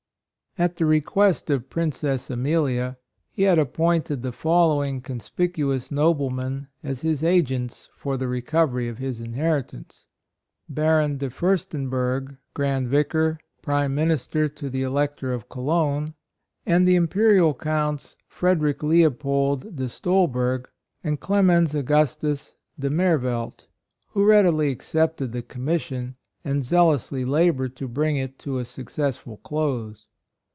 i T the request of Prin cess Amelia, he had appointed the following conspicuous noblemen as his agents for the recovery of his inheritance : Baron De Furs tenberg, Grand Vicar, Prime Min ister to the Elector of Cologne, and the Imperial Counts Frederick Leo pold De Stolberg and Clemens Au gustus De Mervelt, who readily 66 HIS FORTUNE, RUSSIAN DECREE. 67 accepted the commission, and zeal ously labored to bring it to a suc cessful close.